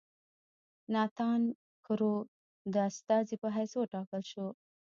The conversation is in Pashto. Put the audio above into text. ناتان کرو د استازي په حیث وټاکل شو.